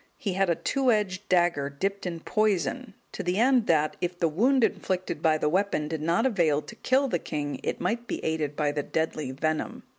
He had a two edged dagger, dipped in poison, to the end that, if the wound inflicted by the weapon did not avail to kill the king, it might be aided by the deadly venom.